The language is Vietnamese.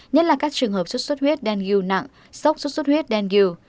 nhất là các trường hợp xuất xuất huyết đen ghiu nặng sốc xuất xuất huyết đen ghiu